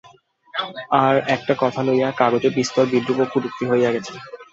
আর-একটা কথা লইয়া কাগজে বিস্তর বিদ্রূপ ও কটূক্তি হইয়া গেছে।